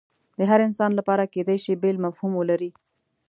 د هر انسان لپاره کیدای شي بیل مفهوم ولري